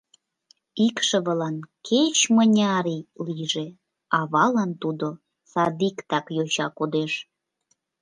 Икшывылан кеч-мыняр ий лийже, авалан тудо садиктак йоча кодеш.